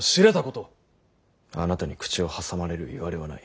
あなたに口を挟まれるいわれはない。